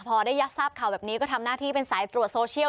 พอได้ทราบข่าวแบบนี้ก็ทำหน้าที่เป็นสายตรวจโซเชียล